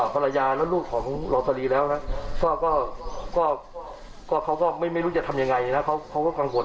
ภรรยาและลูกของรอสลีแล้วนะเขาก็ไม่รู้จะทำยังไงนะเขาก็กังวล